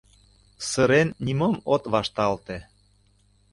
Сырен нимом от вашталте.